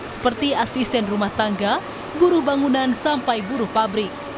seperti asisten rumah tangga buru bangunan sampai buruh pabrik